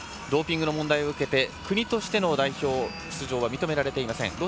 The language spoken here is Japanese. ドーピング問題を受けて国としての出場は認められていません。